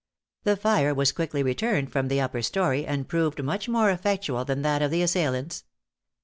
The fire was quickly returned from the upper story, and proved much more effectual than that of the assailants.